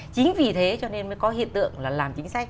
chính vì thế cho nên mới có hiện tượng là làm chính sách